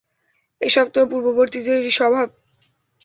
এসবতো পূর্ববর্তীদেরই স্বভাব।